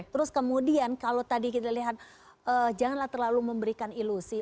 terus kemudian kalau tadi kita lihat janganlah terlalu memberikan ilusi